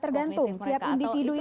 tergantung tiap individu itu